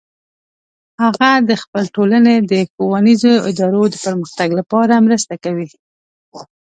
هغه د خپل ټولنې د ښوونیزو ادارو د پرمختګ لپاره مرسته کوي